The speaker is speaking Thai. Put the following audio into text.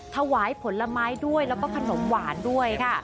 ถวายผลไม้ด้วยแล้วก็ขนมหวานด้วยค่ะ